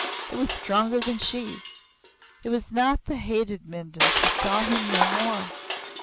It was stronger than she. It was not the hated Mindoin she saw him no more.